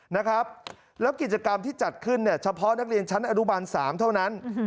แล้วกิจกรรมที่จัดขึ้นเฉพาะนักเรียนชั้นอนุบัล๓เท่านั้น